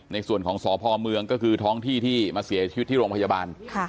ในส่วนของสพเมืองก็คือท้องที่ที่มาเสียชีวิตที่โรงพยาบาล